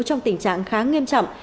trong tình trạng khá nghiêm trọng